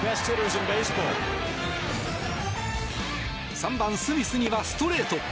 ３番、スミスにはストレート。